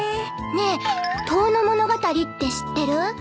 ねえ『遠野物語』って知ってる？